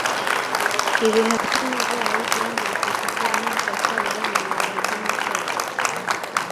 Ibihaha byumurwayi byangiritse kuva imyaka yakoraga mu birombe byamakara.